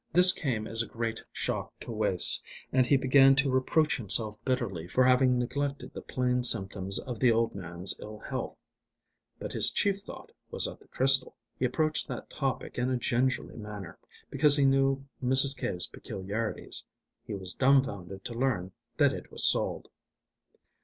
This came as a great shock to Wace, and he began to reproach himself bitterly for having neglected the plain symptoms of the old man's ill health. But his chief thought was of the crystal. He approached that topic in a gingerly manner, because he knew Mrs. Cave's peculiarities. He was dumbfounded to learn that it was sold.